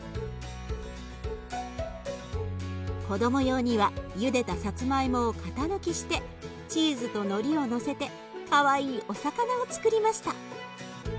子ども用にはゆでたさつまいもを型抜きしてチーズとのりをのせてかわいいお魚をつくりました。